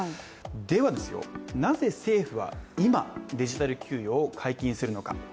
では、なぜ政府は今、デジタル給与を解禁するのか。